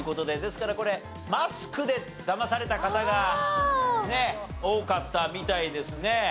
ですからこれ「マスク」でだまされた方が多かったみたいですね。